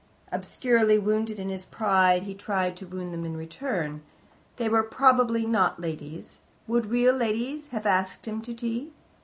Obscurely wounded in his pride, he tried to wound them in return. They were probably not ladies. Would real ladies have asked him to tea?